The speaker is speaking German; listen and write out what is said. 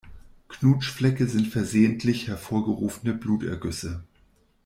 Knutschflecke sind versehentlich hervorgerufene Blutergüsse.